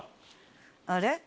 あれ？